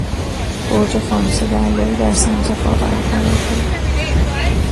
برج فانوس دریایی در سمت خاور قرار دارد.